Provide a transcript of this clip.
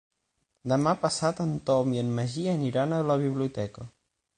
Demà passat en Tom i en Magí aniran a la biblioteca.